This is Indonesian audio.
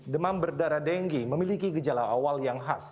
demam berdarah dengue memiliki gejala awal yang khas